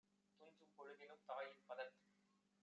துஞ்சும் பொழுதினும் தாயின் - பதத்